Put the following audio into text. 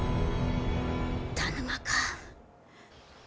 田沼か？